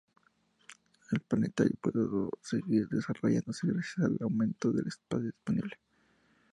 El planetario pudo seguir desarrollándose gracias al aumento del espacio disponible.